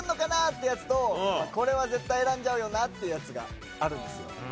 これは絶対選んじゃうよなっていうやつがあるんですよ。